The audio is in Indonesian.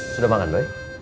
sudah makan boy